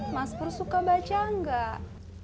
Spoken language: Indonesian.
mas pur suka baca nggak